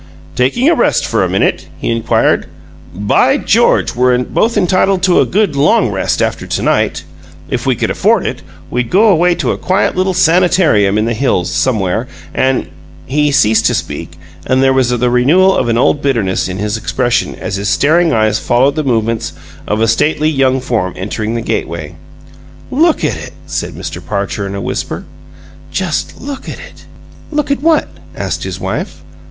"Taking a rest for a minute?" he inquired. "By George! we're both entitled to a good LONG rest, after to night! If we could afford it, we'd go away to a quiet little sanitarium in the hills, somewhere, and " He ceased to speak and there was the renewal of an old bitterness in his expression as his staring eyes followed the movements of a stately young form entering the gateway. "Look at it!" said Mr. Parcher in a whisper. "Just look at it!" "Look at what?" asked his wife.